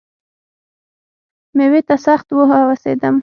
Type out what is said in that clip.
مېوې ته سخت وهوسېدم .